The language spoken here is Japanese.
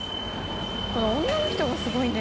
この女の人もすごいね。